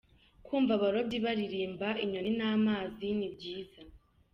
Kumva abarobyi baririmba, inyoni n’amazi ni byiza.